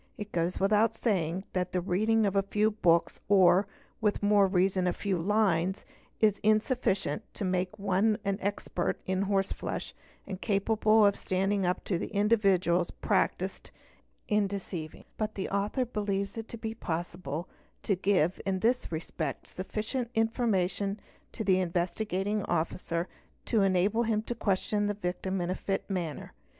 It goes without saying that the reading of a few books or, with more reason, a few lines is insufficient to make one an expert in horseflesh and capable of standing up to individuals practised in the art of deceiving ; but the author believes it to be possible to give in this respect sufficient information to the Investigating Officer to enable him to question the victim ina fit manner.